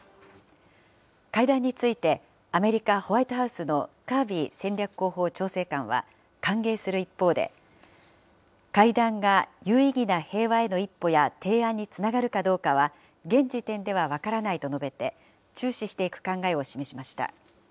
会談についてアメリカ・ホワイトハウスのカービー戦略広報調整官は、歓迎する一方で、会談が有意義な平和への一歩や提案につながるかどうかは、現時点では分からないと述べて、注視していく考えを示しました。